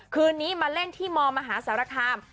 คืนนี้มาเล่นที่มมหาสารคาม